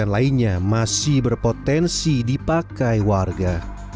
empat puluh lainnya masih berpotensi dipakai warga